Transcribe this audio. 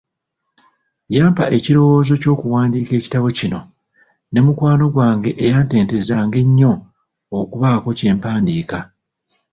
Yampa ekirowoozo ky'okuwandiika ekitabo kino, ne mukwano gwange eyanteetezanga ennyo okubaako kye mpandiika.